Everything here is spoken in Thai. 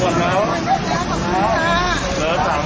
ขอบคุณครับขอบคุณครับ